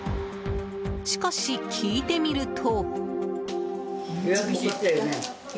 しかし聞いてみると。